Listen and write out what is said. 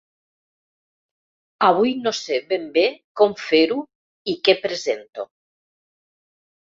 Avui no sé ben bé com fer-ho i què presento….